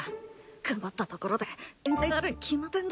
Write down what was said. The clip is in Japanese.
頑張ったところで限界があるに決まってんだ。